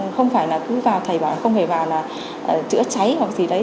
không phải là cứ vào thầy bảo không hề vào là chữa cháy hoặc gì đấy